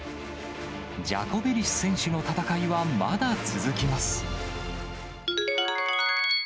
ジャコベリス選手の戦いはまだ続きます。